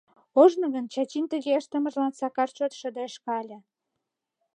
Ожно гын Чачин тыге ыштымыжлан Сакар чот шыдешка ыле.